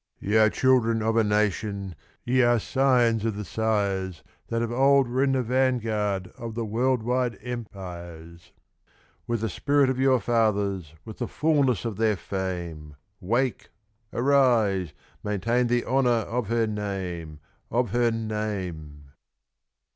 Ye are children of a nation, Ye are scions of the sires That of old were in the vanguard Of the world's wide empires! With the spirit of your fathers, With the fulness of their fame, Wake! arise! maintain the honour Of her name, of her name!